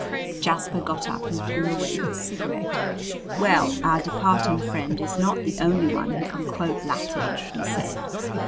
Jasper got up and threw away his cigarette. "Well, our departing friend is not the only one who can quote Latin," he said.